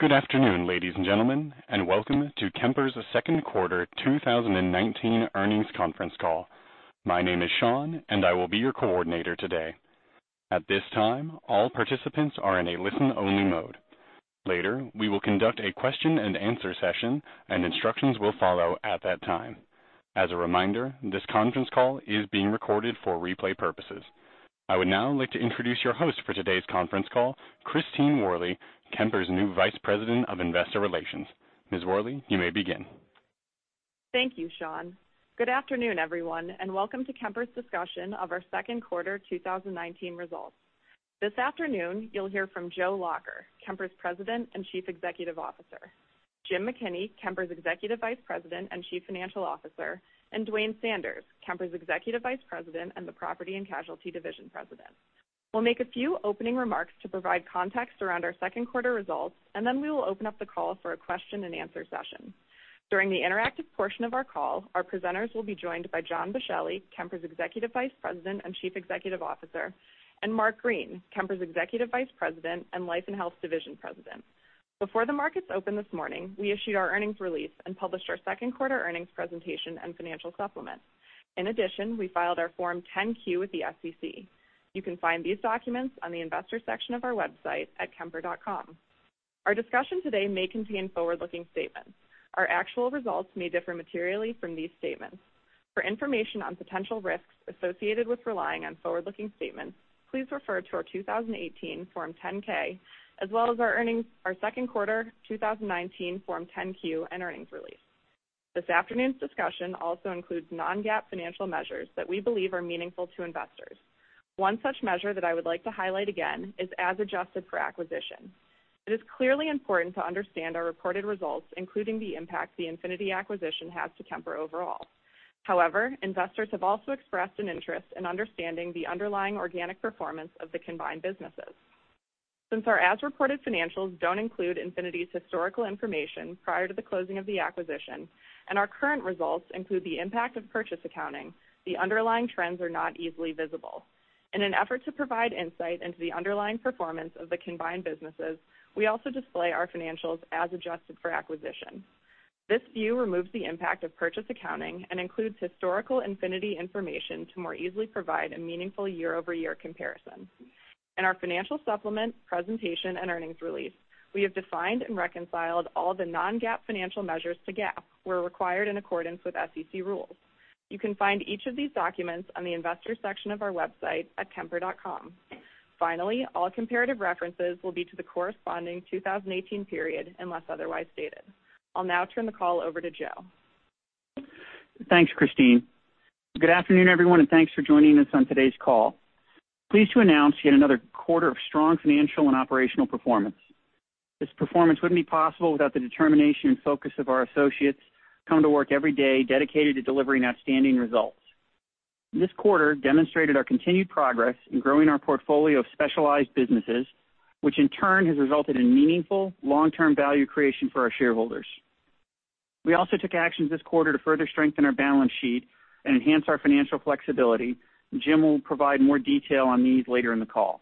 Good afternoon, ladies and gentlemen, and welcome to Kemper's second quarter 2019 earnings conference call. My name is Sean, and I will be your coordinator today. At this time, all participants are in a listen-only mode. Later, we will conduct a question and answer session, and instructions will follow at that time. As a reminder, this conference call is being recorded for replay purposes. I would now like to introduce your host for today's conference call, Christine Worley, Kemper's new Vice President of Investor Relations. Ms. Worley, you may begin. Thank you, Sean. Good afternoon, everyone, and welcome to Kemper's discussion of our second quarter 2019 results. This afternoon, you'll hear from Joe Lacher, Kemper's President and Chief Executive Officer, Jim McKinney, Kemper's Executive Vice President and Chief Financial Officer, and Duane Sanders, Kemper's Executive Vice President and the Property & Casualty Division President. We'll make a few opening remarks to provide context around our second quarter results, and then we will open up the call for a question and answer session. During the interactive portion of our call, our presenters will be joined by John Bisceglie, Kemper's Executive Vice President and Chief Executive Officer, and Mark Green, Kemper's Executive Vice President and Life & Health Division President. Before the markets opened this morning, we issued our earnings release and published our second quarter earnings presentation and financial supplement. In addition, we filed our Form 10-Q with the SEC. You can find these documents on the investor section of our website at kemper.com. Our discussion today may contain forward-looking statements. Our actual results may differ materially from these statements. For information on potential risks associated with relying on forward-looking statements, please refer to our 2018 Form 10-K, as well as our second quarter 2019 Form 10-Q and earnings release. This afternoon's discussion also includes non-GAAP financial measures that we believe are meaningful to investors. One such measure that I would like to highlight again is as adjusted for acquisition. It is clearly important to understand our reported results, including the impact the Infinity acquisition has to Kemper overall. Investors have also expressed an interest in understanding the underlying organic performance of the combined businesses. Since our as-reported financials don't include Infinity's historical information prior to the closing of the acquisition, and our current results include the impact of purchase accounting, the underlying trends are not easily visible. In an effort to provide insight into the underlying performance of the combined businesses, we also display our financials as adjusted for acquisition. This view removes the impact of purchase accounting and includes historical Infinity information to more easily provide a meaningful year-over-year comparison. In our financial supplement presentation and earnings release, we have defined and reconciled all the non-GAAP financial measures to GAAP, where required in accordance with SEC rules. You can find each of these documents on the investor section of our website at kemper.com. All comparative references will be to the corresponding 2018 period, unless otherwise stated. I'll now turn the call over to Joe. Thanks, Christine. Good afternoon, everyone. Thanks for joining us on today's call. Pleased to announce yet another quarter of strong financial and operational performance. This performance wouldn't be possible without the determination and focus of our associates coming to work every day dedicated to delivering outstanding results. This quarter demonstrated our continued progress in growing our portfolio of specialized businesses, which in turn has resulted in meaningful long-term value creation for our shareholders. We also took actions this quarter to further strengthen our balance sheet and enhance our financial flexibility. Jim will provide more detail on these later in the call.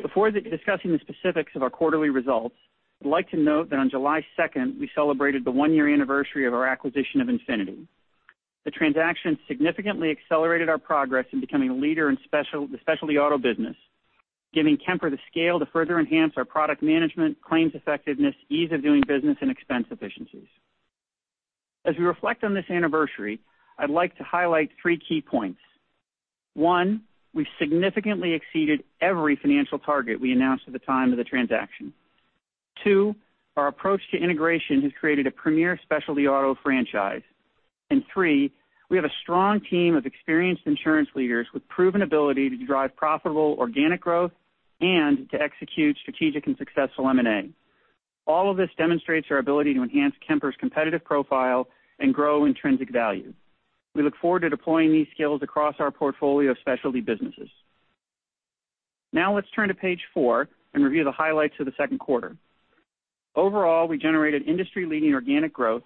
Before discussing the specifics of our quarterly results, I'd like to note that on July 2nd, we celebrated the one-year anniversary of our acquisition of Infinity. The transaction significantly accelerated our progress in becoming a leader in the specialty auto business, giving Kemper the scale to further enhance our product management, claims effectiveness, ease of doing business, and expense efficiencies. As we reflect on this anniversary, I'd like to highlight three key points. One, we've significantly exceeded every financial target we announced at the time of the transaction. Two, our approach to integration has created a premier specialty auto franchise. Three, we have a strong team of experienced insurance leaders with proven ability to drive profitable organic growth and to execute strategic and successful M&A. All of this demonstrates our ability to enhance Kemper's competitive profile and grow intrinsic value. We look forward to deploying these skills across our portfolio of specialty businesses. Let's turn to page four and review the highlights of the second quarter. Overall, we generated industry-leading organic growth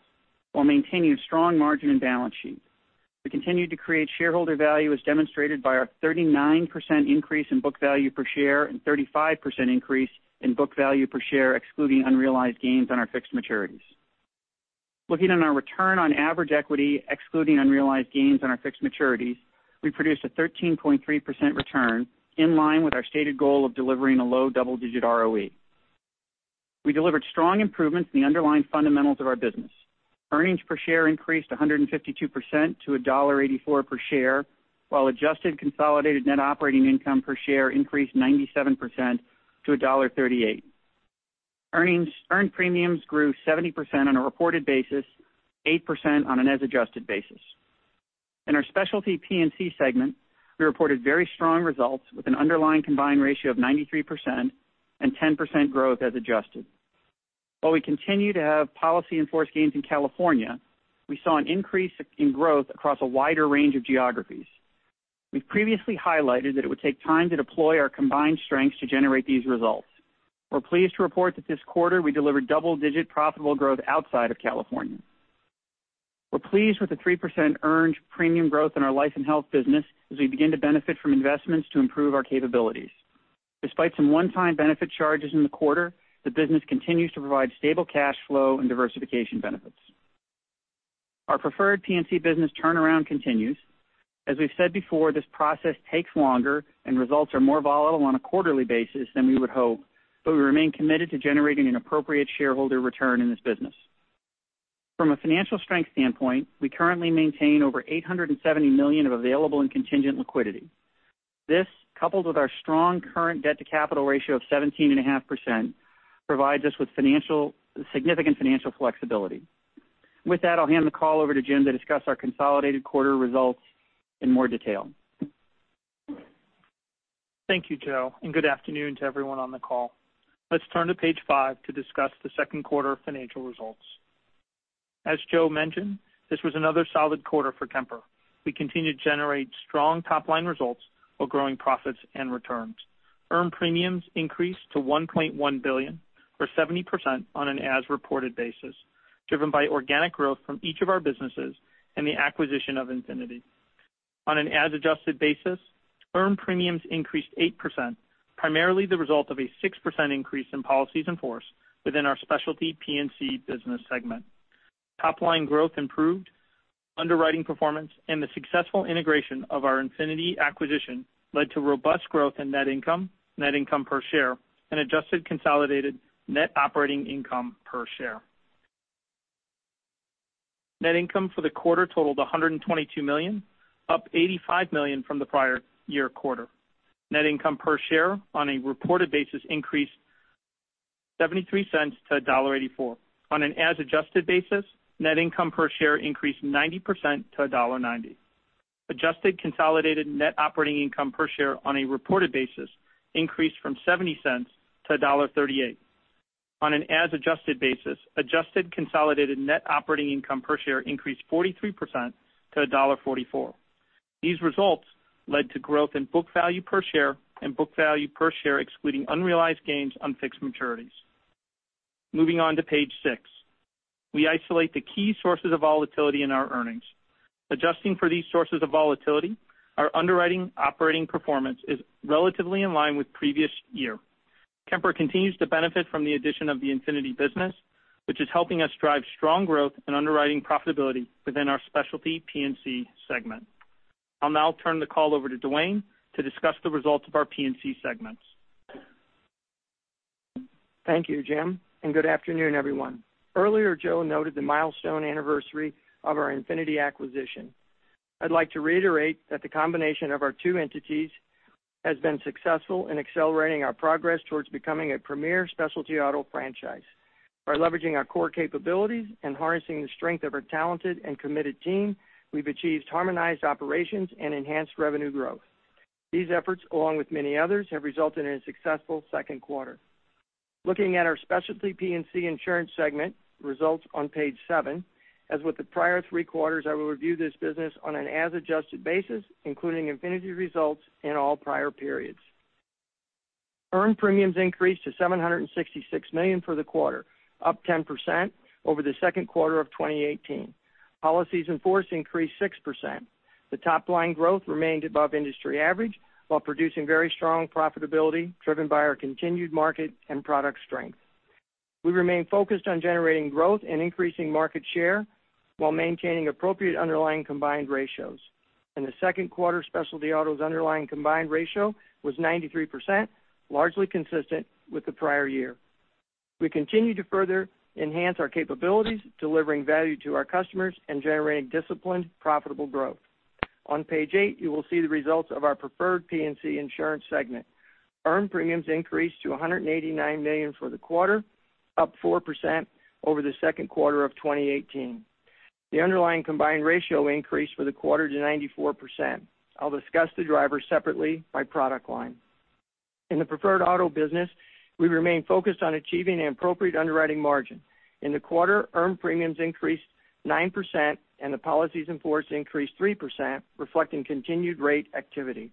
while maintaining strong margin and balance sheet. We continued to create shareholder value as demonstrated by our 39% increase in book value per share and 35% increase in book value per share excluding unrealized gains on our fixed maturities. Looking at our return on average equity excluding unrealized gains on our fixed maturities, we produced a 13.3% return in line with our stated goal of delivering a low double-digit ROE. We delivered strong improvements in the underlying fundamentals of our business. Earnings per share increased 152% to $1.84 per share, while adjusted consolidated net operating income per share increased 97% to $1.38. Earned premiums grew 70% on a reported basis, 8% on an as adjusted basis. In our Specialty P&C segment, we reported very strong results with an underlying combined ratio of 93% and 10% growth as adjusted. While we continue to have policy and force gains in California, we saw an increase in growth across a wider range of geographies. We've previously highlighted that it would take time to deploy our combined strengths to generate these results. We're pleased to report that this quarter we delivered double-digit profitable growth outside of California. We're pleased with the 3% earned premium growth in our life and health business as we begin to benefit from investments to improve our capabilities. Despite some one-time benefit charges in the quarter, the business continues to provide stable cash flow and diversification benefits. Our preferred P&C business turnaround continues. As we've said before, this process takes longer. Results are more volatile on a quarterly basis than we would hope, we remain committed to generating an appropriate shareholder return in this business. From a financial strength standpoint, we currently maintain over $870 million of available and contingent liquidity. This, coupled with our strong current debt-to-capital ratio of 17.5%, provides us with significant financial flexibility. With that, I'll hand the call over to Jim to discuss our consolidated quarter results in more detail. Thank you, Joe, and good afternoon to everyone on the call. Let's turn to page five to discuss the second quarter financial results. As Joe mentioned, this was another solid quarter for Kemper. We continue to generate strong top-line results while growing profits and returns. Earned premiums increased to $1.1 billion, or 70% on an as-reported basis, driven by organic growth from each of our businesses and the acquisition of Infinity. On an as-adjusted basis, earned premiums increased 8%, primarily the result of a 6% increase in policies in force within our Specialty P&C business segment. Top-line growth improved underwriting performance, and the successful integration of our Infinity acquisition led to robust growth in net income, net income per share, and adjusted consolidated net operating income per share. Net income for the quarter totaled $122 million, up $85 million from the prior year quarter. Net income per share on a reported basis increased $0.73 to $1.84. On an as-adjusted basis, net income per share increased 90% to $1.90. Adjusted consolidated net operating income per share on a reported basis increased from $0.70 to $1.38. On an as-adjusted basis, adjusted consolidated net operating income per share increased 43% to $1.44. These results led to growth in book value per share and book value per share excluding unrealized gains on fixed maturities. Moving on to page six. We isolate the key sources of volatility in our earnings. Adjusting for these sources of volatility, our underwriting operating performance is relatively in line with previous year. Kemper continues to benefit from the addition of the Infinity business, which is helping us drive strong growth and underwriting profitability within our Specialty P&C segment. I'll now turn the call over to Duane to discuss the results of our P&C segments. Thank you, Jim, and good afternoon, everyone. Earlier, Joe noted the milestone anniversary of our Infinity acquisition. I'd like to reiterate that the combination of our two entities has been successful in accelerating our progress towards becoming a premier Specialty auto franchise. By leveraging our core capabilities and harnessing the strength of our talented and committed team, we've achieved harmonized operations and enhanced revenue growth. These efforts, along with many others, have resulted in a successful second quarter. Looking at our Specialty P&C insurance segment results on page seven, as with the prior three quarters, I will review this business on an as-adjusted basis, including Infinity results in all prior periods. Earned premiums increased to $766 million for the quarter, up 10% over the second quarter of 2018. Policies in force increased 6%. The top-line growth remained above industry average while producing very strong profitability driven by our continued market and product strength. We remain focused on generating growth and increasing market share while maintaining appropriate underlying combined ratios. In the second quarter, Specialty auto's underlying combined ratio was 93%, largely consistent with the prior year. We continue to further enhance our capabilities, delivering value to our customers and generating disciplined, profitable growth. On page eight, you will see the results of our preferred P&C insurance segment. Earned premiums increased to $189 million for the quarter, up 4% over the second quarter of 2018. The underlying combined ratio increased for the quarter to 94%. I'll discuss the drivers separately by product line. In the preferred auto business, we remain focused on achieving an appropriate underwriting margin. In the quarter, earned premiums increased 9% and the policies in force increased 3%, reflecting continued rate activity.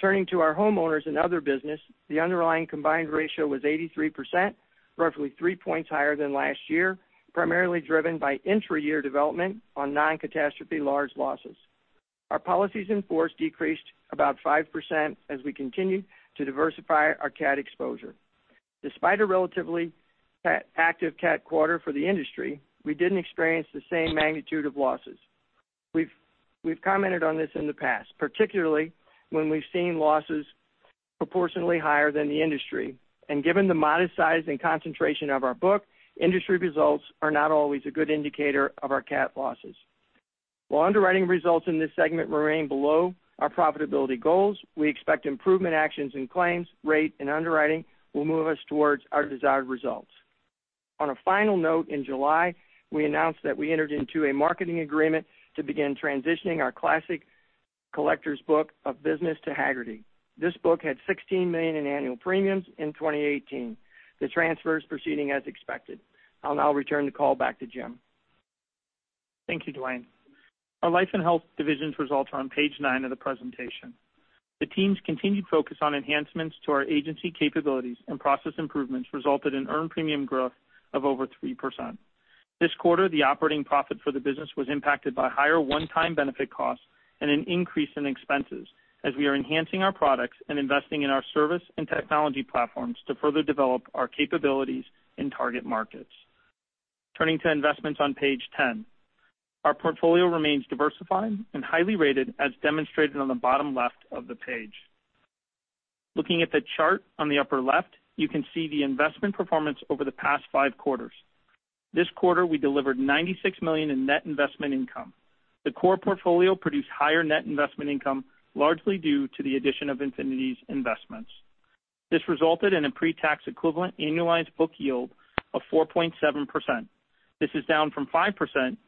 Turning to our homeowners and other business, the underlying combined ratio was 83%, roughly three points higher than last year, primarily driven by intra-year development on non-catastrophe large losses. Our policies in force decreased about 5% as we continue to diversify our cat exposure. Despite a relatively active cat quarter for the industry, we didn't experience the same magnitude of losses. We've commented on this in the past, particularly when we've seen losses proportionately higher than the industry. Given the modest size and concentration of our book, industry results are not always a good indicator of our cat losses. While underwriting results in this segment remain below our profitability goals, we expect improvement actions in claims, rate, and underwriting will move us towards our desired results. On a final note, in July, we announced that we entered into a marketing agreement to begin transitioning our Classic Collectors book of business to Hagerty. This book had $16 million in annual premiums in 2018. The transfer is proceeding as expected. I'll now return the call back to Jim. Thank you, Duane. Our Life & Health Division results are on page nine of the presentation. The teams continued focus on enhancements to our agency capabilities and process improvements resulted in earned premium growth of over 3%. This quarter, the operating profit for the business was impacted by higher one-time benefit costs and an increase in expenses, as we are enhancing our products and investing in our service and technology platforms to further develop our capabilities in target markets. Turning to investments on page 10. Our portfolio remains diversified and highly rated, as demonstrated on the bottom left of the page. Looking at the chart on the upper left, you can see the investment performance over the past five quarters. This quarter, we delivered $96 million in net investment income. The core portfolio produced higher net investment income, largely due to the addition of Infinity's investments. This resulted in a pre-tax equivalent annualized book yield of 4.7%. This is down from 5%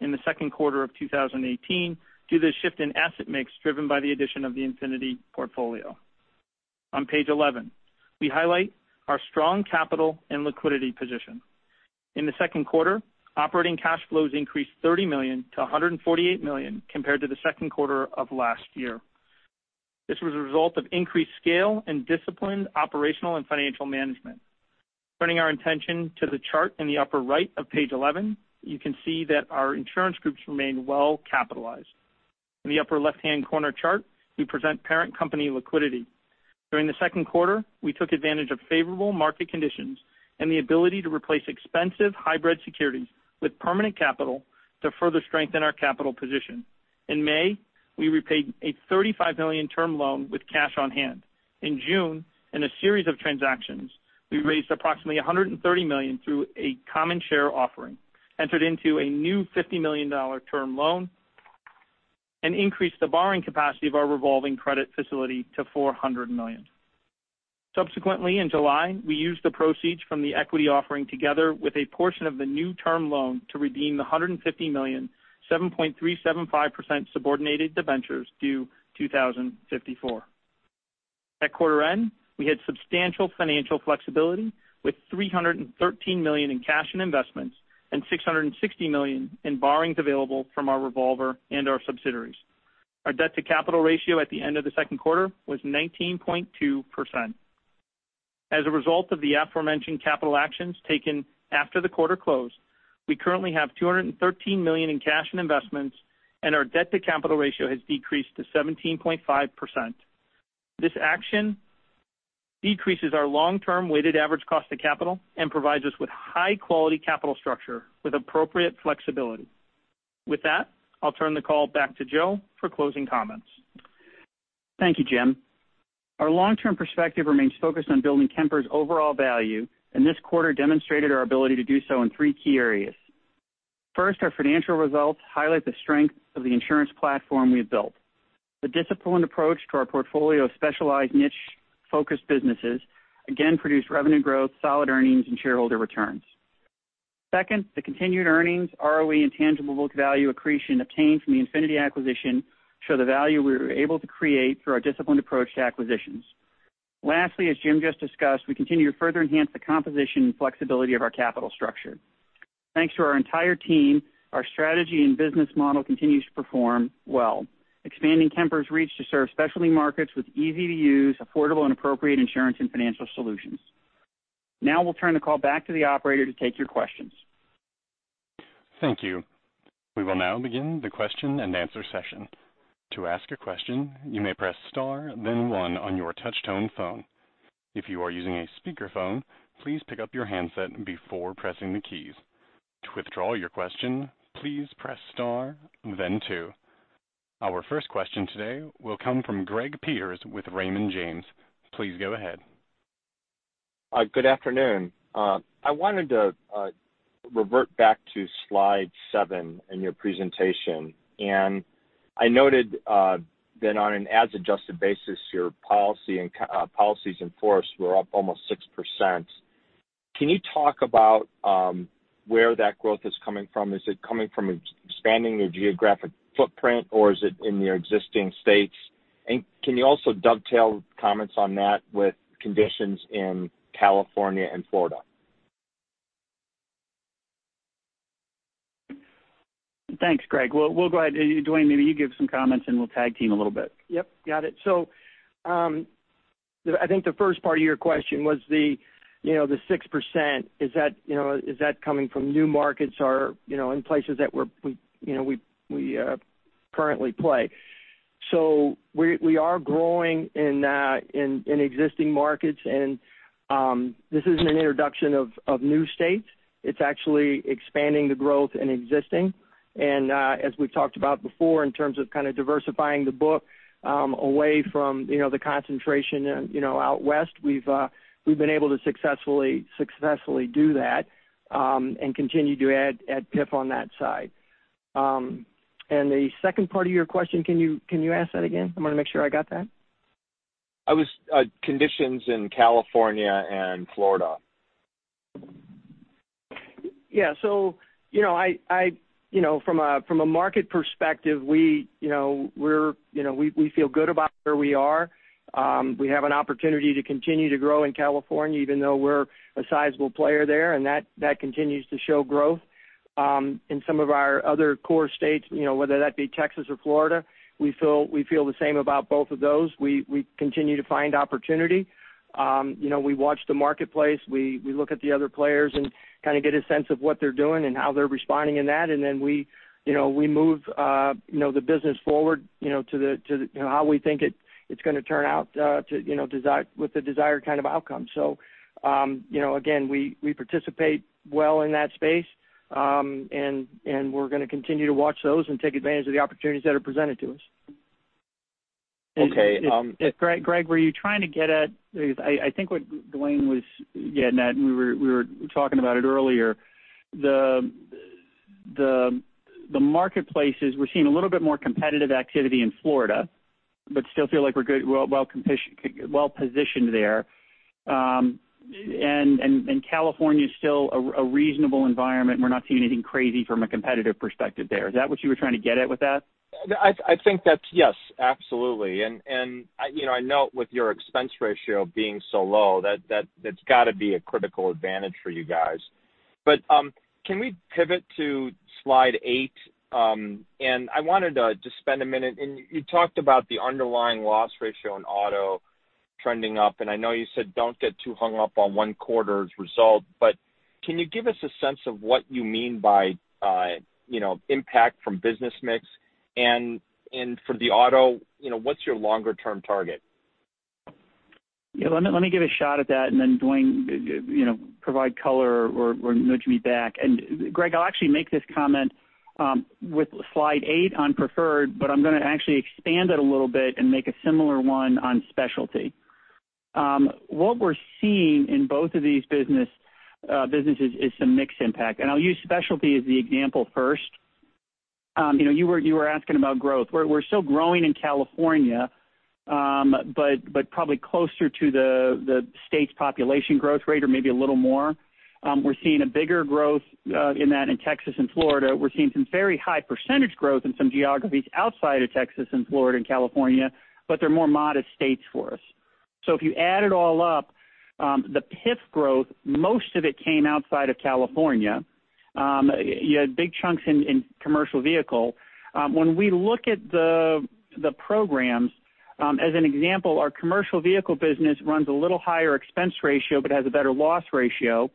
in the second quarter of 2018 due to the shift in asset mix driven by the addition of the Infinity portfolio. On page 11, we highlight our strong capital and liquidity position. In the second quarter, operating cash flows increased $30 million to $148 million compared to the second quarter of last year. This was a result of increased scale and disciplined operational and financial management. Turning our attention to the chart in the upper right of page 11, you can see that our insurance groups remain well-capitalized. In the upper left-hand corner chart, we present parent company liquidity. During the second quarter, we took advantage of favorable market conditions and the ability to replace expensive hybrid securities with permanent capital to further strengthen our capital position. In May, we repaid a $35 million term loan with cash on hand. In June, in a series of transactions, we raised approximately $130 million through a common share offering, entered into a new $50 million term loan, and increased the borrowing capacity of our revolving credit facility to $400 million. Subsequently, in July, we used the proceeds from the equity offering together with a portion of the new term loan to redeem the $150 million, 7.375% subordinated debentures due 2054. At quarter end, we had substantial financial flexibility with $313 million in cash and investments and $660 million in borrowings available from our revolver and our subsidiaries. Our debt-to-capital ratio at the end of the second quarter was 19.2%. As a result of the aforementioned capital actions taken after the quarter closed, we currently have $213 million in cash and investments, and our debt-to-capital ratio has decreased to 17.5%. This action decreases our long-term weighted average cost of capital and provides us with high-quality capital structure with appropriate flexibility. With that, I'll turn the call back to Joe for closing comments. Thank you, Jim. Our long-term perspective remains focused on building Kemper's overall value, and this quarter demonstrated our ability to do so in three key areas. First, our financial results highlight the strength of the insurance platform we've built. The disciplined approach to our portfolio of specialized niche-focused businesses again produced revenue growth, solid earnings, and shareholder returns. Second, the continued earnings, ROE, and tangible book value accretion obtained from the Infinity acquisition show the value we were able to create through our disciplined approach to acquisitions. Lastly, as Jim just discussed, we continue to further enhance the composition and flexibility of our capital structure. Thanks to our entire team, our strategy and business model continues to perform well, expanding Kemper's reach to serve specialty markets with easy-to-use, affordable, and appropriate insurance and financial solutions. We'll turn the call back to the operator to take your questions. Thank you. We will now begin the question-and-answer session. To ask a question, you may press star then one on your touch-tone phone. If you are using a speakerphone, please pick up your handset before pressing the keys. To withdraw your question, please press star then two. Our first question today will come from Gregory Peters with Raymond James. Please go ahead. Good afternoon. I wanted to revert back to slide seven in your presentation. I noted that on an as adjusted basis, your policies in force were up almost 6%. Can you talk about where that growth is coming from? Is it coming from expanding your geographic footprint, or is it in your existing states? Can you also dovetail comments on that with conditions in California and Florida? Thanks, Greg. We'll go ahead. Duane, maybe you give some comments and we'll tag team a little bit. Yep, got it. I think the first part of your question was the 6%, is that coming from new markets or in places that we currently play? We are growing in existing markets, and this isn't an introduction of new states. It's actually expanding the growth in existing. As we've talked about before in terms of kind of diversifying the book away from the concentration out west, we've been able to successfully do that, and continue to add PIF on that side. The second part of your question, can you ask that again? I want to make sure I got that. Conditions in California and Florida. Yeah. From a market perspective, we feel good about where we are. We have an opportunity to continue to grow in California, even though we're a sizable player there, and that continues to show growth. In some of our other core states, whether that be Texas or Florida, we feel the same about both of those. We continue to find opportunity. We watch the marketplace, we look at the other players and get a sense of what they're doing and how they're responding in that, then we move the business forward to how we think it's going to turn out with the desired kind of outcome. Again, we participate well in that space, and we're going to continue to watch those and take advantage of the opportunities that are presented to us. Okay. Greg, were you trying to get at, I think what Duane was getting at, we were talking about it earlier, the marketplaces, we're seeing a little bit more competitive activity in Florida, still feel like we're well-positioned there. California is still a reasonable environment. We're not seeing anything crazy from a competitive perspective there. Is that what you were trying to get at with that? I think that's, yes, absolutely. I note with your expense ratio being so low, that's got to be a critical advantage for you guys. Can we pivot to slide eight? I wanted to just spend a minute, you talked about the underlying loss ratio in auto trending up, I know you said don't get too hung up on one quarter's result, can you give us a sense of what you mean by impact from business mix and for the auto, what's your longer-term target? Let me give a shot at that and then Duane provide color or nudge me back. Greg, I'll actually make this comment with slide eight on preferred, I'm going to actually expand it a little bit and make a similar one on specialty. What we're seeing in both of these businesses is some mix impact. I'll use specialty as the example first. You were asking about growth. We're still growing in California, but probably closer to the state's population growth rate or maybe a little more. We're seeing a bigger growth in that in Texas and Florida. We're seeing some very high percentage growth in some geographies outside of Texas and Florida and California, but they're more modest states for us. If you add it all up, the PIF growth, most of it came outside of California. You had big chunks in commercial vehicle. When we look at the programs, as an example, our commercial vehicle business runs a little higher expense ratio but has a better loss ratio.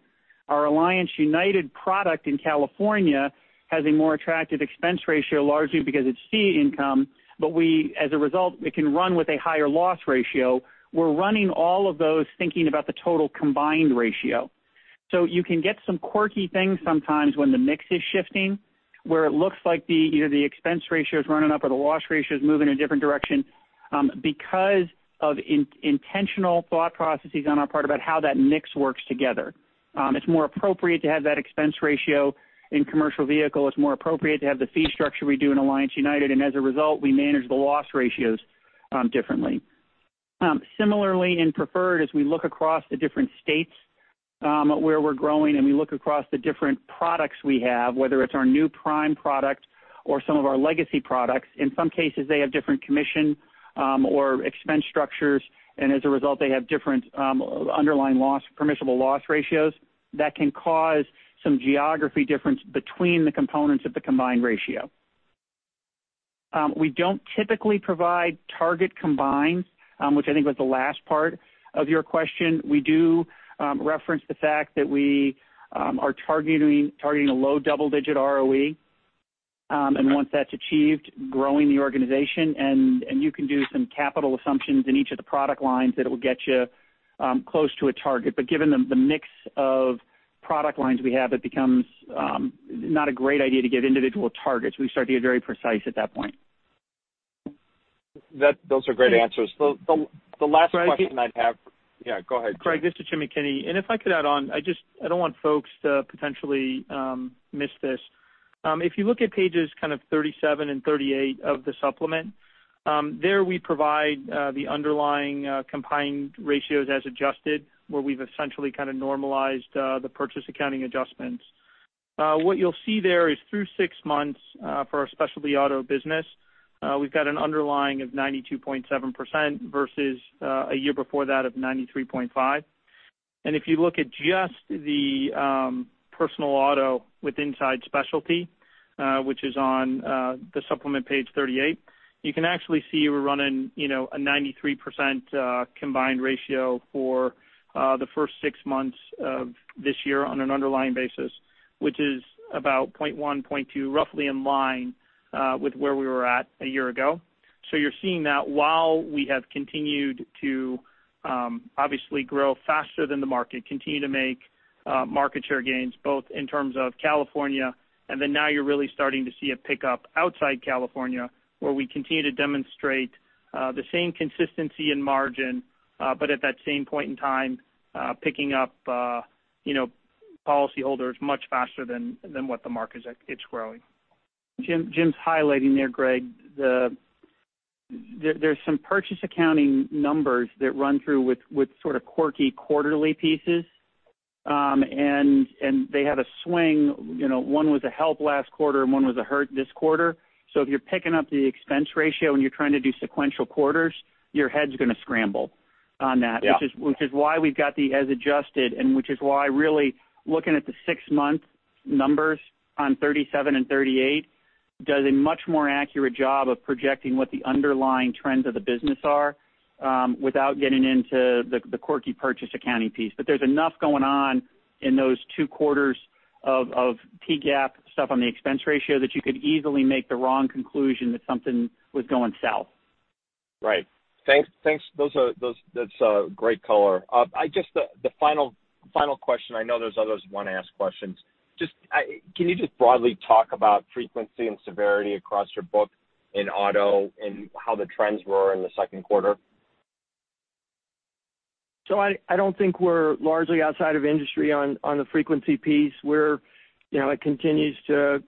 Our Alliance United product in California has a more attractive expense ratio, largely because it's fee income, but as a result, it can run with a higher loss ratio. We're running all of those thinking about the total combined ratio. You can get some quirky things sometimes when the mix is shifting, where it looks like either the expense ratio is running up or the loss ratio is moving in a different direction because of intentional thought processes on our part about how that mix works together. It's more appropriate to have that expense ratio in commercial vehicle. It's more appropriate to have the fee structure we do in Alliance United, and as a result, we manage the loss ratios differently. Similarly, in preferred, as we look across the different states where we're growing and we look across the different products we have, whether it's our new prime product or some of our legacy products, in some cases, they have different commission or expense structures, and as a result, they have different underlying permissible loss ratios that can cause some geography difference between the components of the combined ratio. We don't typically provide target combines, which I think was the last part of your question. We do reference the fact that we are targeting a low double-digit ROE, and once that's achieved, growing the organization, and you can do some capital assumptions in each of the product lines that will get you close to a target. Given the mix of product lines we have, it becomes not a great idea to give individual targets. We start to get very precise at that point. Those are great answers. The last question I'd have. Yeah, go ahead, Jim. Greg, this is Jim McKinney. If I could add on, I don't want folks to potentially miss this. If you look at pages 37 and 38 of the supplement, there we provide the underlying combined ratios as adjusted, where we've essentially normalized the purchase accounting adjustments. What you'll see there is through six months for our specialty auto business, we've got an underlying of 92.7% versus a year before that of 93.5%. If you look at just the personal auto with inside specialty, which is on the supplement page 38, you can actually see we're running a 93% combined ratio for the first six months of this year on an underlying basis, which is about 0.1, 0.2, roughly in line with where we were at a year ago. You're seeing that while we have continued to obviously grow faster than the market, continue to make market share gains, both in terms of California, then now you're really starting to see a pickup outside California, where we continue to demonstrate the same consistency in margin, at that same point in time, picking up policyholders much faster than what the market is growing. Jim's highlighting there, Greg, there's some purchase accounting numbers that run through with sort of quirky quarterly pieces, and they had a swing, one was a help last quarter, and one was a hurt this quarter. If you're picking up the expense ratio and you're trying to do sequential quarters, your head's going to scramble. On that. Yeah. Which is why we've got the as adjusted, and which is why really looking at the six-month numbers on 37 and 38 does a much more accurate job of projecting what the underlying trends of the business are, without getting into the quirky purchase accounting piece. There's enough going on in those two quarters of GAAP stuff on the expense ratio that you could easily make the wrong conclusion that something was going south. Right. Thanks. That's a great color. Just the final question, I know there's others who want to ask questions. Can you just broadly talk about frequency and severity across your book in auto and how the trends were in the second quarter? I don't think we're largely outside of industry on the frequency piece. It continues to,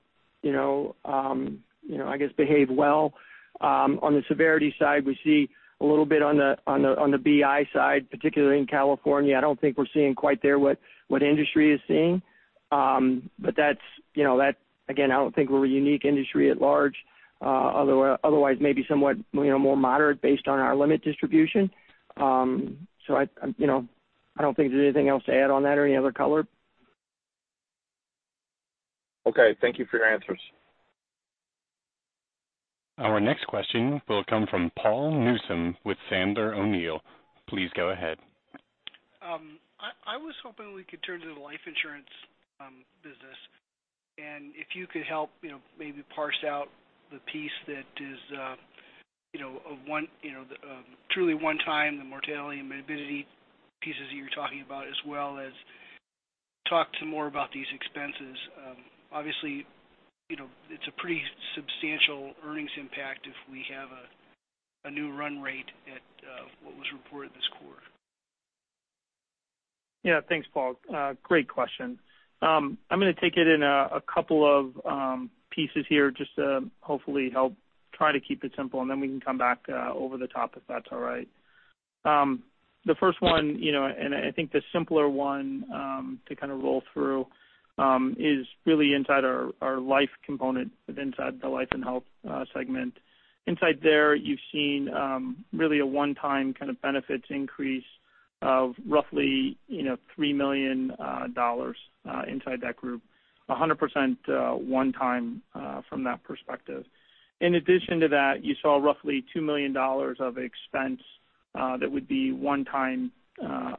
I guess, behave well. On the severity side, we see a little bit on the BI side, particularly in California. I don't think we're seeing quite there what industry is seeing. Again, I don't think we're a unique industry at large. Otherwise, maybe somewhat more moderate based on our limit distribution. I don't think there's anything else to add on that or any other color. Okay. Thank you for your answers. Our next question will come from Paul Newsome with Sandler O'Neill. Please go ahead. I was hoping we could turn to the life insurance business, if you could help maybe parse out the piece that is truly one time, the mortality and morbidity pieces that you were talking about, as well as talk some more about these expenses. Obviously, it's a pretty substantial earnings impact if we have a new run rate at what was reported this quarter. Yeah. Thanks, Paul. Great question. I'm going to take it in a couple of pieces here just to hopefully help try to keep it simple, and then we can come back over the top, if that's all right. The first one, and I think the simpler one to roll through, is really inside our life component inside the Life and Health segment. Inside there, you've seen really a one-time benefits increase of roughly $3 million inside that group, 100% one time from that perspective. In addition to that, you saw roughly $2 million of expense that would be one-time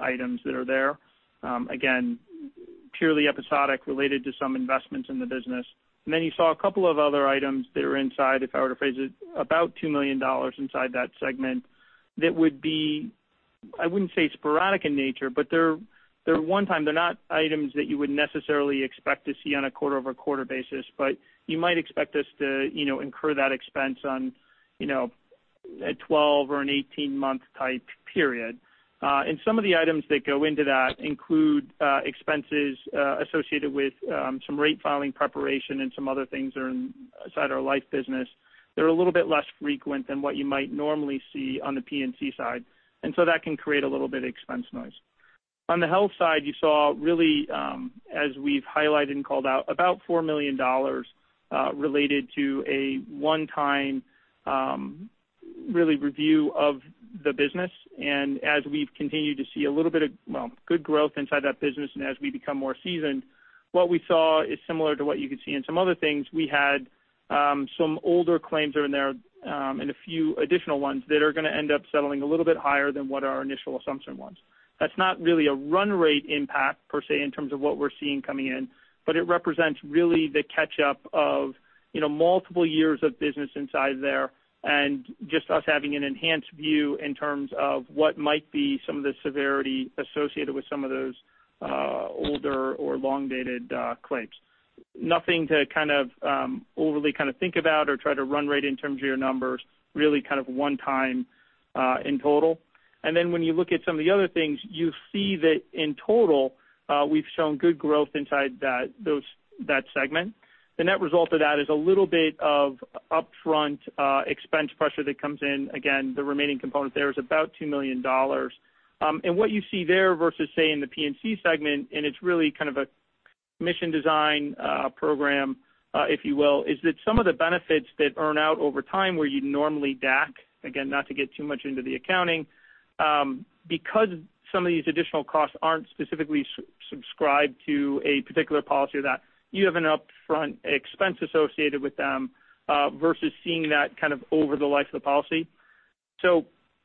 items that are there. Again, purely episodic related to some investments in the business. You saw a couple of other items that are inside, if I were to phrase it, about $2 million inside that segment that would be, I wouldn't say sporadic in nature, but they're one time. They're not items that you would necessarily expect to see on a quarter-over-quarter basis, but you might expect us to incur that expense on a 12- or an 18-month type period. Some of the items that go into that include expenses associated with some rate filing preparation and some other things that are inside our life business. They're a little bit less frequent than what you might normally see on the P&C side, so that can create a little bit of expense noise. On the health side, you saw really, as we've highlighted and called out, about $4 million related to a one-time review of the business. As we've continued to see a little bit of good growth inside that business and as we become more seasoned, what we saw is similar to what you could see in some other things. We had some older claims that are in there, and a few additional ones that are going to end up settling a little bit higher than what our initial assumption was. That's not really a run rate impact, per se, in terms of what we're seeing coming in, but it represents really the catch-up of multiple years of business inside there and just us having an enhanced view in terms of what might be some of the severity associated with some of those older or long-dated claims. Nothing to overly think about or try to run rate in terms of your numbers, really one time in total. When you look at some of the other things, you see that in total, we've shown good growth inside that segment. The net result of that is a little bit of upfront expense pressure that comes in. Again, the remaining component there is about $2 million. What you see there versus, say, in the P&C segment, and it's really a mission design program, if you will, is that some of the benefits that earn out over time where you'd normally DAC, again, not to get too much into the accounting. Some of these additional costs aren't specifically subscribed to a particular policy or that, you have an upfront expense associated with them, versus seeing that over the life of the policy.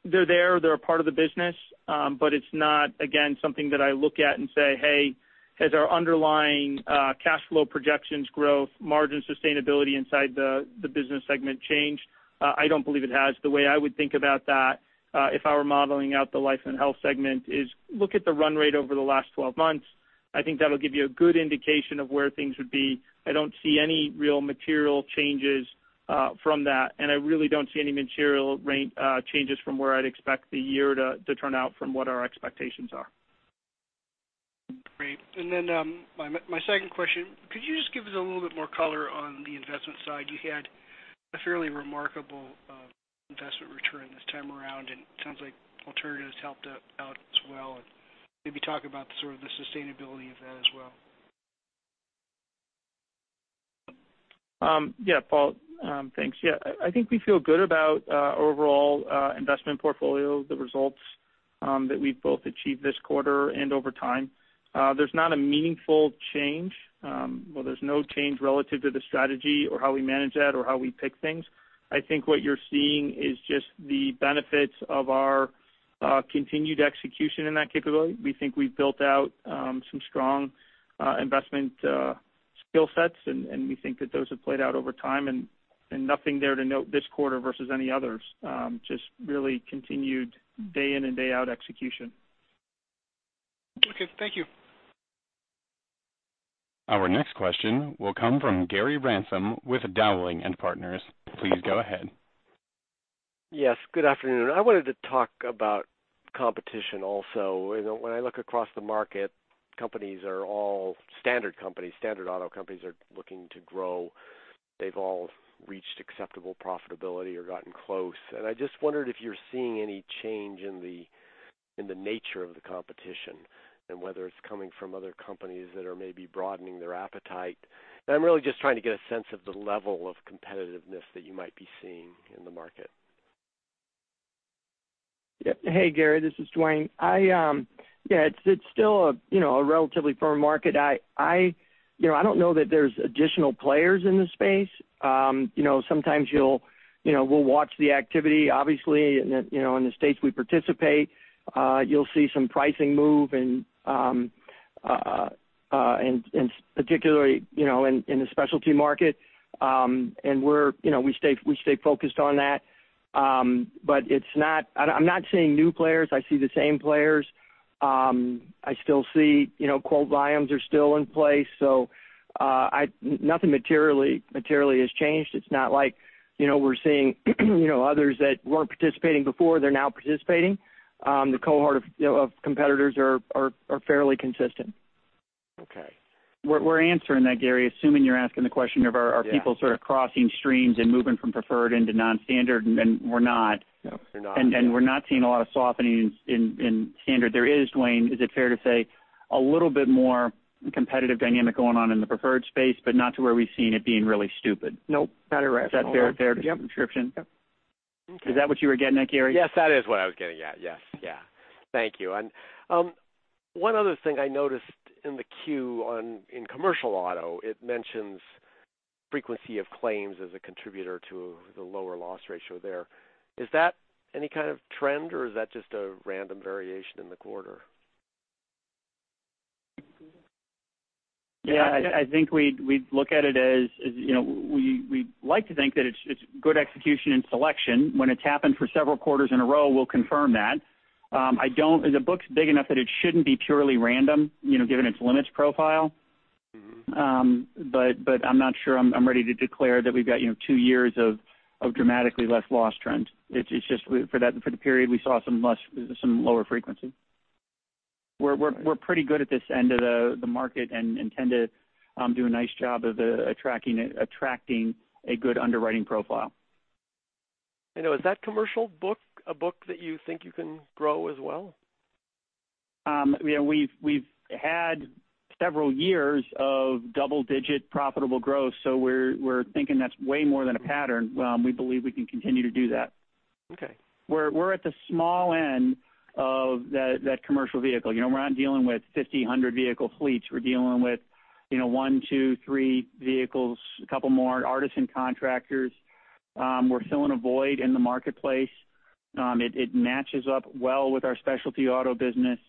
They're there. They're a part of the business. It's not, again, something that I look at and say, hey, has our underlying cash flow projections growth margin sustainability inside the business segment changed? I don't believe it has. The way I would think about that, if I were modeling out the Life & Health segment, is look at the run rate over the last 12 months. I think that'll give you a good indication of where things would be. I don't see any real material changes from that. I really don't see any material changes from where I'd expect the year to turn out from what our expectations are. Great. My second question, could you just give us a little bit more color on the investment side? You had a fairly remarkable investment return this time around, and it sounds like alternatives helped out as well. Maybe talk about the sustainability of that as well. Paul. Thanks. I think we feel good about our overall investment portfolio, the results that we've both achieved this quarter and over time. There's not a meaningful change, there's no change relative to the strategy or how we manage that or how we pick things. I think what you're seeing is just the benefits of our continued execution in that capability. We think we've built out some strong investment skill sets. We think that those have played out over time. Nothing there to note this quarter versus any others. Just really continued day in and day out execution. Thank you. Our next question will come from Gary Ransom with Dowling & Partners. Please go ahead. Yes, good afternoon. I wanted to talk about competition also. When I look across the market, standard auto companies are looking to grow. They've all reached acceptable profitability or gotten close. I just wondered if you're seeing any change in the nature of the competition and whether it's coming from other companies that are maybe broadening their appetite. I'm really just trying to get a sense of the level of competitiveness that you might be seeing in the market. Hey, Gary, this is Duane. It's still a relatively firm market. I don't know that there's additional players in the space. Sometimes we'll watch the activity, obviously, in the states we participate. You'll see some pricing move and particularly in the specialty market. We stay focused on that. I'm not seeing new players. I see the same players. I still see quote volumes are still in place, nothing materially has changed. It's not like we're seeing others that weren't participating before, they're now participating. The cohort of competitors are fairly consistent. Okay. We're answering that, Gary, assuming you're asking the question of. Yeah Are people sort of crossing streams and moving from preferred into non-standard, and we're not. No, you're not. We're not seeing a lot of softening in standard. There is, Duane, is it fair to say, a little bit more competitive dynamic going on in the preferred space, but not to where we've seen it being really stupid? No, that is right. Is that fair description? Yep. Okay. Is that what you were getting at, Gary? Yes, that is what I was getting at. Yes. Thank you. One other thing I noticed in the Q in commercial auto, it mentions frequency of claims as a contributor to the lower loss ratio there. Is that any kind of trend, or is that just a random variation in the quarter? Yeah, I think we'd look at it as we like to think that it's good execution and selection. When it's happened for several quarters in a row, we'll confirm that. The book's big enough that it shouldn't be purely random, given its limits profile. I'm not sure I'm ready to declare that we've got two years of dramatically less loss trends. It's just for the period, we saw some lower frequency. We're pretty good at this end of the market and tend to do a nice job of attracting a good underwriting profile. I know. Is that commercial book a book that you think you can grow as well? We've had several years of double-digit profitable growth. We're thinking that's way more than a pattern. We believe we can continue to do that. Okay. We're at the small end of that commercial vehicle. We're not dealing with 1,500 vehicle fleets. We're dealing with one, two, three vehicles, a couple more artisan contractors. We're filling a void in the marketplace. It matches up well with our specialty auto business.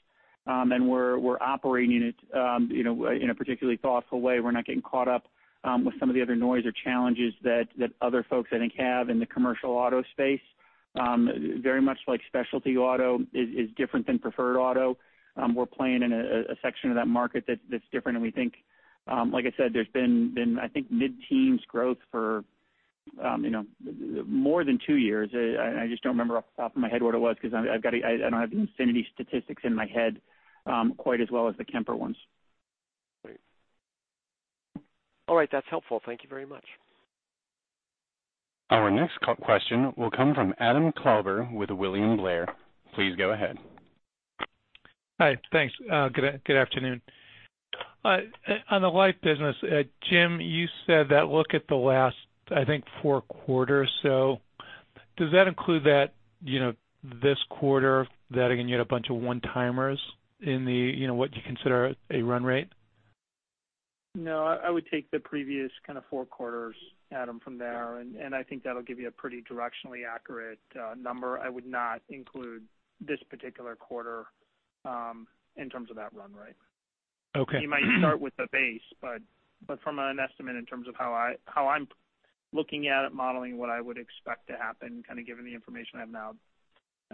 We're operating it in a particularly thoughtful way. We're not getting caught up with some of the other noise or challenges that other folks, I think, have in the commercial auto space. Very much like specialty auto is different than preferred auto. We're playing in a section of that market that's different, and we think, like I said, there's been I think mid-teens growth for more than two years. I just don't remember off the top of my head what it was because I don't have the Infinity statistics in my head quite as well as the Kemper ones. Great. All right, that's helpful. Thank you very much. Our next question will come from Adam Klauber with William Blair. Please go ahead. Hi, thanks. Good afternoon. On the life business, Jim, you said that look at the last, I think, four quarters or so. Does that include this quarter, that, again, you had a bunch of one-timers in what you consider a run rate? No, I would take the previous four quarters, Adam, from there. Okay. I think that'll give you a pretty directionally accurate number. I would not include this particular quarter in terms of that run rate. Okay. You might start with the base, from an estimate in terms of how I'm looking at it, modeling what I would expect to happen, given the information I have now.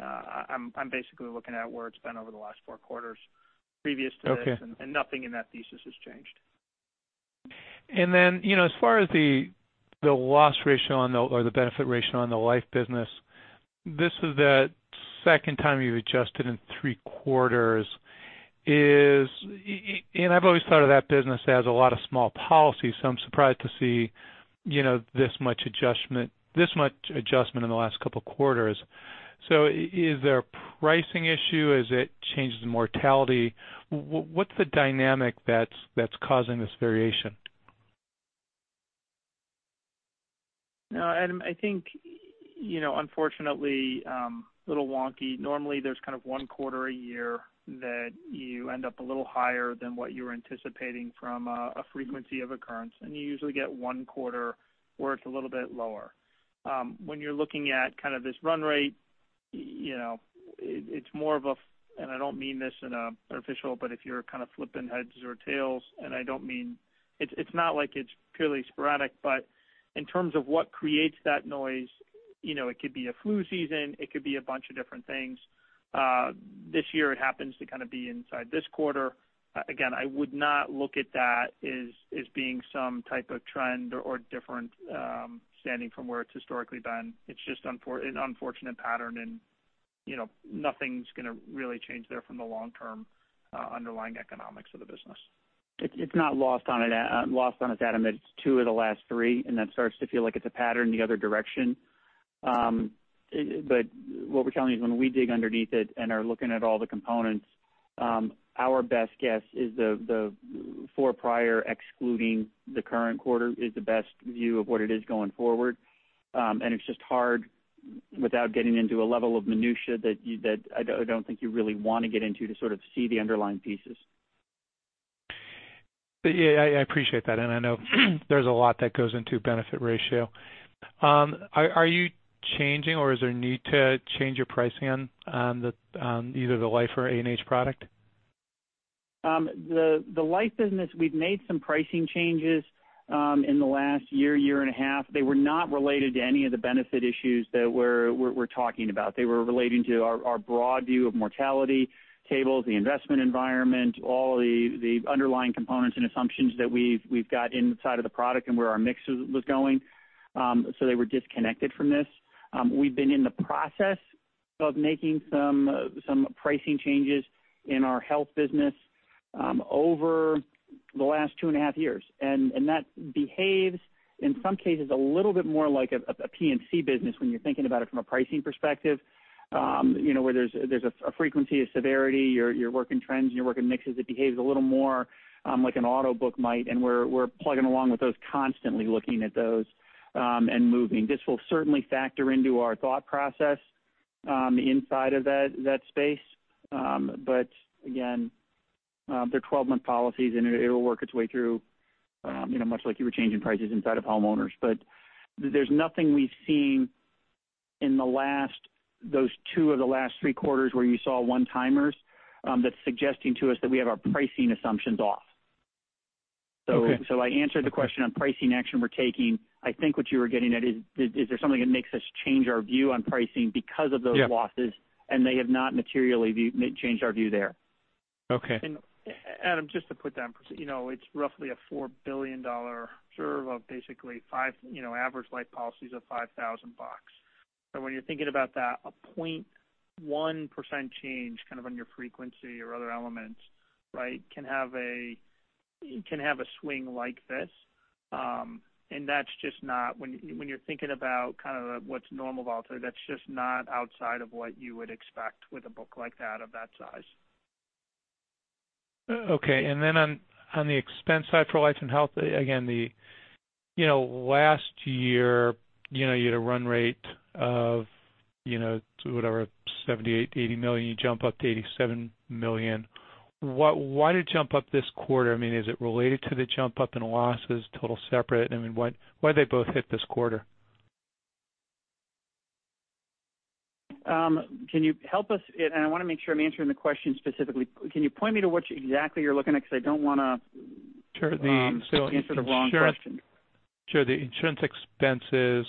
I'm basically looking at where it's been over the last four quarters previous to this. Okay. Nothing in that thesis has changed. As far as the loss ratio or the benefit ratio on the life business, this is the second time you've adjusted in three quarters. I've always thought of that business as a lot of small policies, so I'm surprised to see this much adjustment in the last couple of quarters. Is there a pricing issue? Is it changes in mortality? What's the dynamic that's causing this variation? No, Adam, I think unfortunately, a little wonky. Normally, there's kind of one quarter a year that you end up a little higher than what you're anticipating from a frequency of occurrence, and you usually get one quarter where it's a little bit lower. When you're looking at this run rate, it's more of a, and I don't mean this in an artificial, but if you're kind of flipping heads or tails, and it's not like it's purely sporadic, but in terms of what creates that noise, it could be a flu season, it could be a bunch of different things. This year, it happens to kind of be inside this quarter. I would not look at that as being some type of trend or different standing from where it's historically been. It's just an unfortunate pattern. Nothing's going to really change there from the long-term underlying economics of the business. It's not lost on us, Adam. It's two of the last three. That starts to feel like it's a pattern the other direction. What we're telling you is when we dig underneath it and are looking at all the components, our best guess is the four prior, excluding the current quarter, is the best view of what it is going forward. It's just hard, without getting into a level of minutia that I don't think you really want to get into to sort of see the underlying pieces. Yeah, I appreciate that. I know there's a lot that goes into benefit ratio. Are you changing or is there a need to change your pricing on either the life or A&H product? The life business, we've made some pricing changes in the last year and a half. They were not related to any of the benefit issues that we're talking about. They were relating to our broad view of mortality tables, the investment environment, all the underlying components and assumptions that we've got inside of the product and where our mix was going. They were disconnected from this. We've been in the process of making some pricing changes in our health business over the last two and a half years, and that behaves, in some cases, a little bit more like a P&C business when you're thinking about it from a pricing perspective where there's a frequency of severity, you're working trends, and you're working mixes. It behaves a little more like an auto book might, and we're plugging along with those constantly looking at those and moving. This will certainly factor into our thought process inside of that space. Again, they're 12-month policies, and it'll work its way through much like you were changing prices inside of homeowners. There's nothing we've seen in those two of the last three quarters where you saw one-timers that's suggesting to us that we have our pricing assumptions off. Okay. I answered the question on pricing action we're taking. I think what you were getting at is there something that makes us change our view on pricing because of those losses. Yeah They have not materially changed our view there. Okay. Adam, just to put that in perspective, it's roughly a $4 billion serve of basically average life policies of $5,000. When you're thinking about that, a 0.1% change on your frequency or other elements, can have a swing like this. When you're thinking about what's normal volatility, that's just not outside of what you would expect with a book like that of that size. On the expense side for Life & Health, again, last year, you had a run rate of whatever, $78, $80 million, you jump up to $87 million. Why the jump up this quarter? I mean, is it related to the jump up in losses, total separate? I mean, why'd they both hit this quarter? Can you help us? I want to make sure I'm answering the question specifically. Can you point me to what exactly you're looking at? I don't want to- Sure answer the wrong question. Sure. The insurance expenses,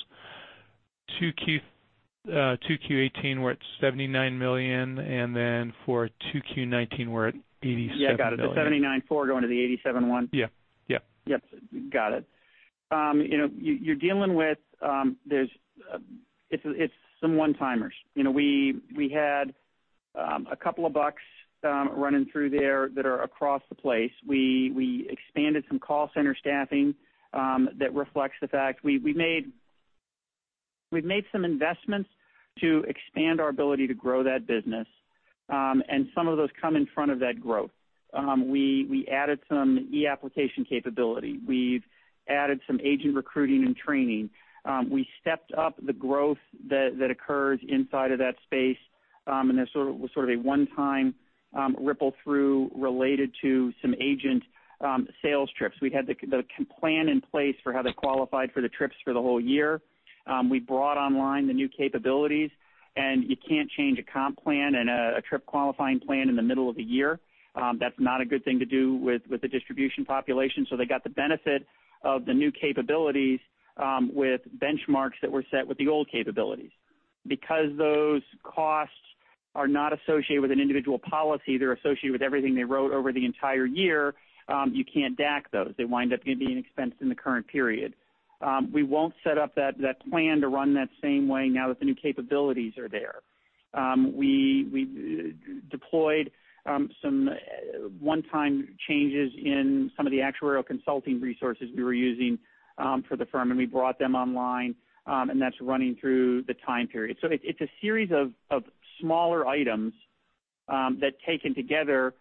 2Q18 were at $79 million, and then for 2Q19, we're at $87 million. Yeah, got it. The $79.4 going to the $87.1. Yeah. Yep. Got it. You're dealing with some one-timers. We had a couple of bucks running through there that are across the place. We expanded some call center staffing that reflects the fact. We've made some investments to expand our ability to grow that business. Some of those come in front of that growth. We added some e-application capability. We've added some agent recruiting and training. We stepped up the growth that occurs inside of that space, and there's sort of a one-time ripple-through related to some agent sales trips. We had the plan in place for how they qualified for the trips for the whole year. We brought online the new capabilities, and you can't change a comp plan and a trip qualifying plan in the middle of the year. That's not a good thing to do with the distribution population. They got the benefit of the new capabilities with benchmarks that were set with the old capabilities. Because those costs are not associated with an individual policy, they're associated with everything they wrote over the entire year, you can't DAC those. They wind up being expensed in the current period. We won't set up that plan to run that same way now that the new capabilities are there. We deployed some one-time changes in some of the actuarial consulting resources we were using for the firm, and we brought them online, and that's running through the time period. It's a series of smaller items. That taken together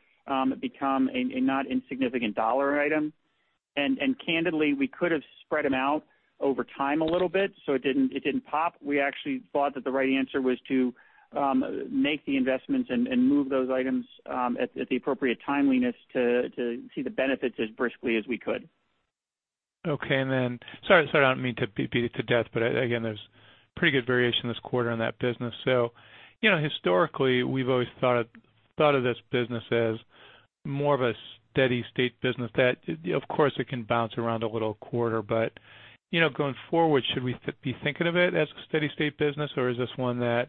become a not insignificant dollar item. Candidly, we could have spread them out over time a little bit, so it didn't pop. We actually thought that the right answer was to make the investments and move those items at the appropriate timeliness to see the benefits as briskly as we could. Okay. Sorry, I don't mean to beat it to death, again, there's pretty good variation this quarter in that business. Historically, we've always thought of this business as more of a steady state business that, of course, it can bounce around a little quarter, going forward, should we be thinking of it as a steady state business, or is this one that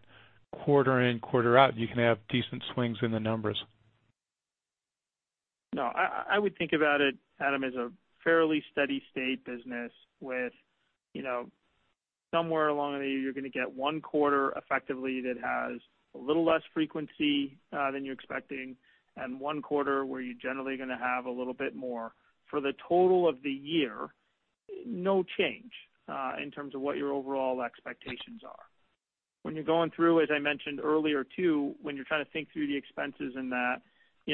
quarter in, quarter out, you can have decent swings in the numbers? No, I would think about it, Adam, as a fairly steady state business with somewhere along you're going to get one quarter effectively that has a little less frequency than you're expecting, and one quarter where you're generally going to have a little bit more. For the total of the year, no change in terms of what your overall expectations are. When you're going through, as I mentioned earlier, too, when you're trying to think through the expenses in that,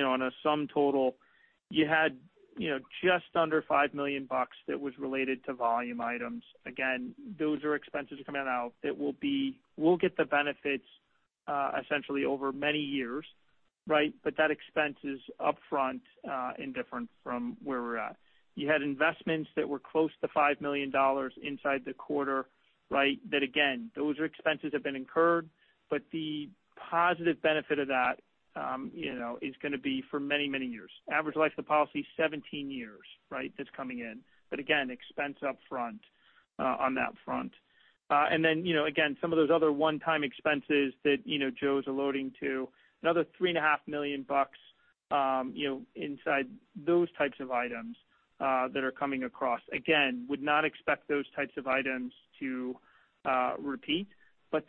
on a sum total, you had just under $5 million that was related to volume items. Again, those are expenses coming out that we'll get the benefits essentially over many years. That expense is up front and different from where we're at. You had investments that were close to $5 million inside the quarter, again, those expenses have been incurred, the positive benefit of that, is going to be for many, many years. Average life of the policy, 17 years, that's coming in. Again, expense up front on that front. Again, some of those other one-time expenses that Joe's alluding to, another three and a half million bucks inside those types of items that are coming across. Again, would not expect those types of items to repeat,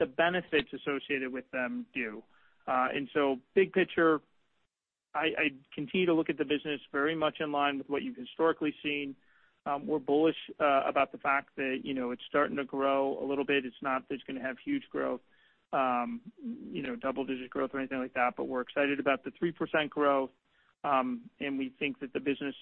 the benefits associated with them do. Big picture, I continue to look at the business very much in line with what you've historically seen. We're bullish about the fact that it's starting to grow a little bit. It's not that it's going to have huge growth, double-digit growth or anything like that, but we're excited about the 3% growth. We think that the business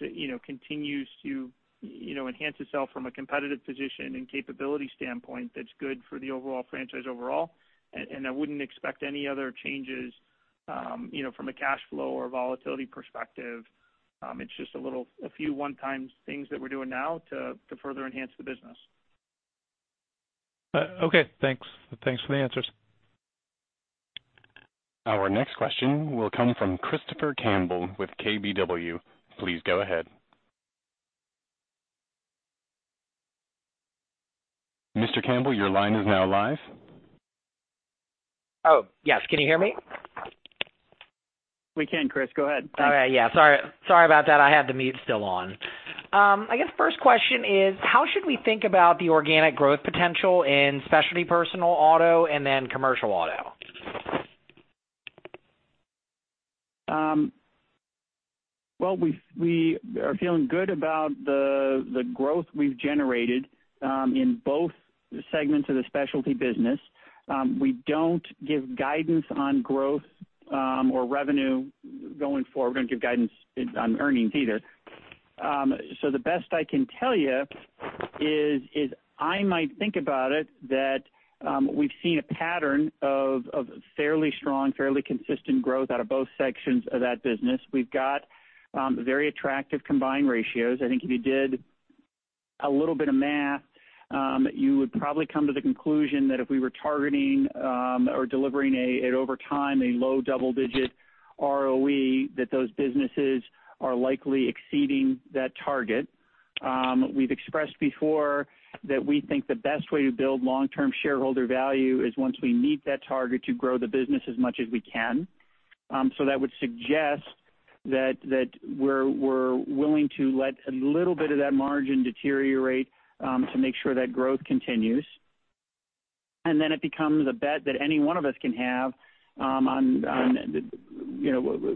continues to enhance itself from a competitive position and capability standpoint that's good for the overall franchise overall. I wouldn't expect any other changes from a cash flow or volatility perspective. It's just a few one-time things that we're doing now to further enhance the business. Okay, thanks. Thanks for the answers. Our next question will come from Christopher Campbell with KBW. Please go ahead. Mr. Campbell, your line is now live. Oh, yes. Can you hear me? We can, Chris. Go ahead. All right. Yeah. Sorry about that. I had the mute still on. I guess first question is, how should we think about the organic growth potential in specialty personal auto and then commercial auto? Well, we are feeling good about the growth we've generated in both segments of the specialty business. We don't give guidance on growth or revenue going forward. We don't give guidance on earnings either. The best I can tell you is I might think about it that we've seen a pattern of fairly strong, fairly consistent growth out of both sections of that business. We've got very attractive combined ratios. I think if you did a little bit of math, you would probably come to the conclusion that if we were targeting or delivering over time a low double-digit ROE, that those businesses are likely exceeding that target. We've expressed before that we think the best way to build long-term shareholder value is once we meet that target to grow the business as much as we can. That would suggest that we're willing to let a little bit of that margin deteriorate to make sure that growth continues. It becomes a bet that any one of us can have on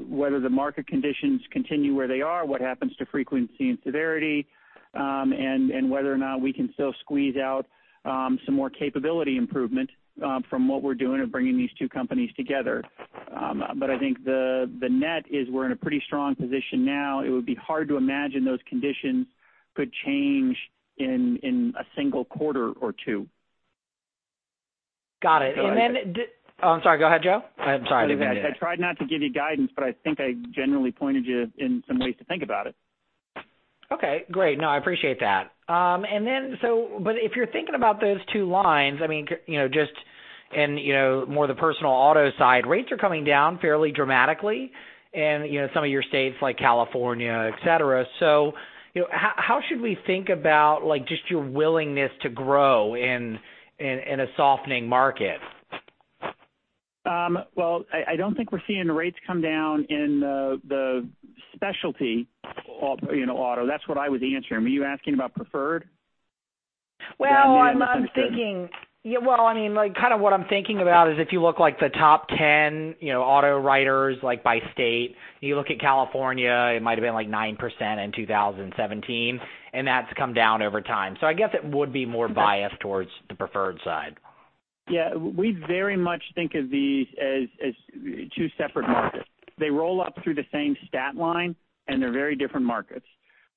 whether the market conditions continue where they are, what happens to frequency and severity, and whether or not we can still squeeze out some more capability improvement from what we're doing of bringing these two companies together. I think the net is we're in a pretty strong position now. It would be hard to imagine those conditions could change in a single quarter or two. Got it. Oh, I'm sorry, go ahead, Joe. I'm sorry. I tried not to give you guidance, but I think I generally pointed you in some ways to think about it. Okay, great. No, I appreciate that. If you're thinking about those two lines, just in more the personal auto side, rates are coming down fairly dramatically in some of your states like California, et cetera. How should we think about just your willingness to grow in a softening market? Well, I don't think we're seeing the rates come down in the specialty auto. That's what I was answering. Were you asking about preferred? Well, if you look like the top 10 auto writers, like by state, you look at California, it might've been like 9% in 2017, and that's come down over time. I guess it would be more biased towards the preferred side. Yeah, we very much think of these as two separate markets. They roll up through the same stat line, and they're very different markets.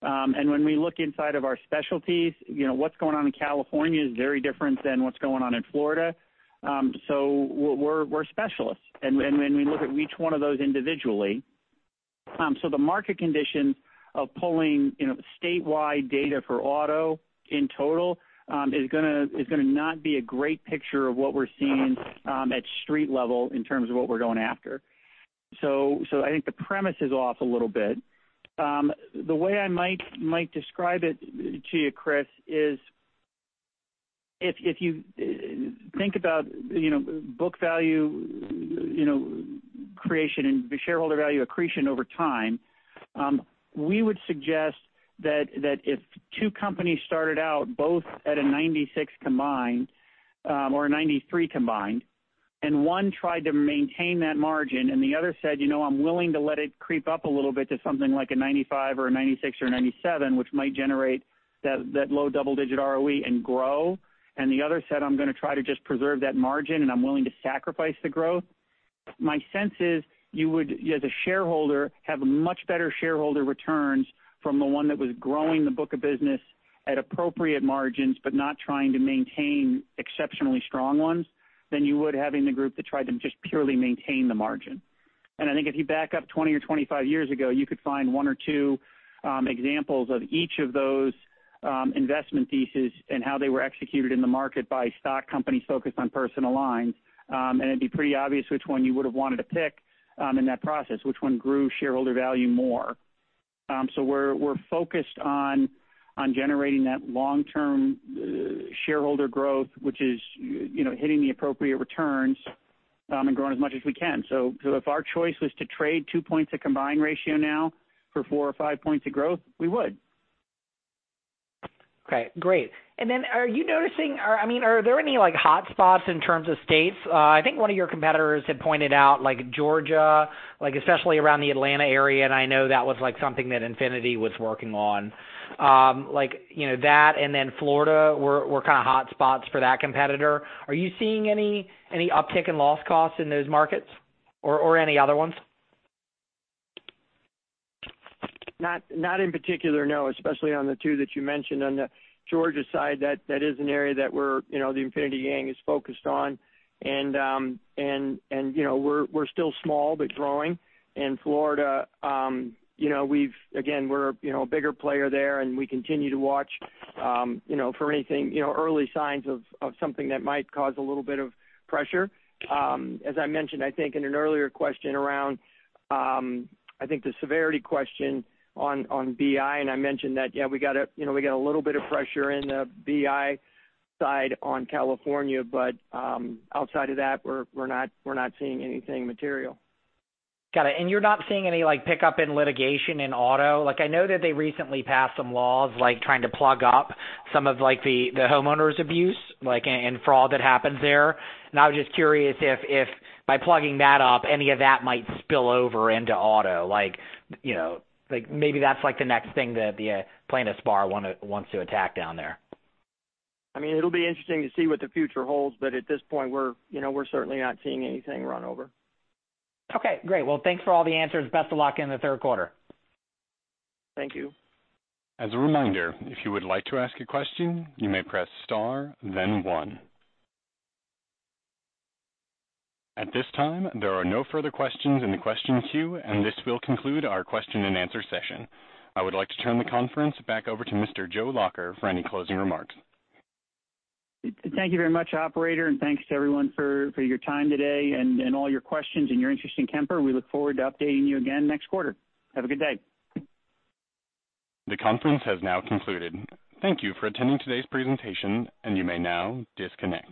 When we look inside of our specialties, what's going on in California is very different than what's going on in Florida. We're specialists, and we look at each one of those individually. The market condition of pulling statewide data for auto in total is going to not be a great picture of what we're seeing at street level in terms of what we're going after. I think the premise is off a little bit. The way I might describe it to you, Chris, is if you think about book value creation and shareholder value accretion over time, we would suggest that if two companies started out both at a 96 combined or a 93 combined, and one tried to maintain that margin, and the other said, "I'm willing to let it creep up a little bit to something like a 95 or a 96 or a 97," which might generate that low double-digit ROE and grow. The other said, "I'm going to try to just preserve that margin, and I'm willing to sacrifice the growth." My sense is you would, as a shareholder, have much better shareholder returns from the one that was growing the book of business at appropriate margins but not trying to maintain exceptionally strong ones, than you would having the group that tried to just purely maintain the margin. I think if you back up 20 or 25 years ago, you could find one or two examples of each of those investment theses and how they were executed in the market by stock companies focused on personal lines. It'd be pretty obvious which one you would have wanted to pick in that process, which one grew shareholder value more. We're focused on generating that long-term shareholder growth, which is hitting the appropriate returns and growing as much as we can. If our choice was to trade two points of combined ratio now for four or five points of growth, we would. Okay, great. Are there any hot spots in terms of states? I think one of your competitors had pointed out Georgia, especially around the Atlanta area, and I know that was something that Infinity was working on. That and Florida were kind of hot spots for that competitor. Are you seeing any uptick in loss costs in those markets or any other ones? Not in particular, no, especially on the two that you mentioned. On the Georgia side, that is an area that the Infinity gang is focused on, and we're still small, but growing. In Florida, again, we're a bigger player there, and we continue to watch for anything, early signs of something that might cause a little bit of pressure. As I mentioned, I think, in an earlier question around, I think the severity question on BI, I mentioned that, yeah, we got a little bit of pressure in the BI side on California. Outside of that, we're not seeing anything material. Got it. You're not seeing any pickup in litigation in auto? I know that they recently passed some laws, trying to plug up some of the homeowners abuse and fraud that happens there. I was just curious if by plugging that up, any of that might spill over into auto. Maybe that's the next thing that the plaintiffs bar wants to attack down there. It'll be interesting to see what the future holds, at this point, we're certainly not seeing anything run over. Okay, great. Well, thanks for all the answers. Best of luck in the third quarter. Thank you. As a reminder, if you would like to ask a question, you may press star, then one. At this time, there are no further questions in the questions queue, and this will conclude our question and answer session. I would like to turn the conference back over to Mr. Joe Lacher for any closing remarks. Thank you very much, operator, and thanks to everyone for your time today and all your questions and your interest in Kemper. We look forward to updating you again next quarter. Have a good day. The conference has now concluded. Thank you for attending today's presentation. You may now disconnect.